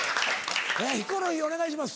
ヒコロヒーお願いします。